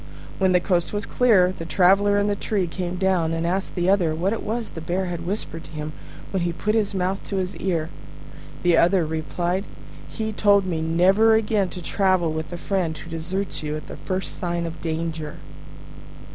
When the coast was clear, the Traveller in the tree came down, and asked the other what it was the Bear had whispered to him when he put his mouth to his ear. The other replied, "He told me never again to travel with a friend who deserts you at the first sign of danger."